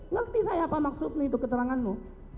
ngerti saya apa maksudnya itu keteranganmu